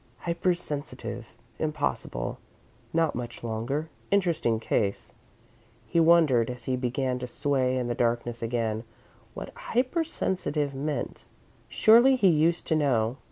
"Hypersensitive impossible not much longer interesting case." He wondered, as he began to sway in the darkness again, what "hypersensitive" meant. Surely, he used to know.